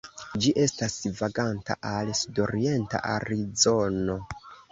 Ĝi estas vaganta al sudorienta Arizono.